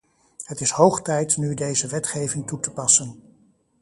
Het is hoog tijd nu deze wetgeving toe te passen.